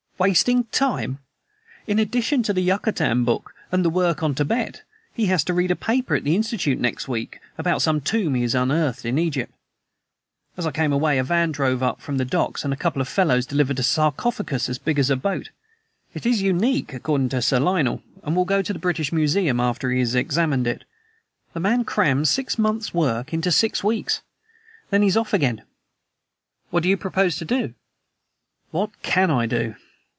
"Wasting time! In addition to the Yucatan book and the work on Tibet, he has to read a paper at the Institute next week about some tomb he has unearthed in Egypt. As I came away, a van drove up from the docks and a couple of fellows delivered a sarcophagus as big as a boat. It is unique, according to Sir Lionel, and will go to the British Museum after he has examined it. The man crams six months' work into six weeks; then he is off again." "What do you propose to do?" "What CAN I do?